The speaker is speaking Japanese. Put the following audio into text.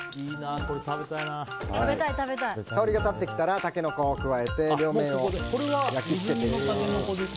香りが立ってきたらタケノコを加えて両面を焼き付けていきます。